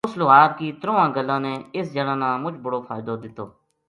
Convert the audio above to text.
اُس لوہار کی ترواں گلاں نے اِس جنا نا مچ بڑو فائدو دیتو